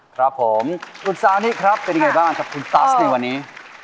ครับผมอุตสานี่ครับเป็นไงบ้างครับคุณตั๊ดในวันนี้